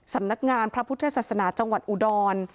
สำนักงานพระพุทธศาสนาจังหวัดอุดร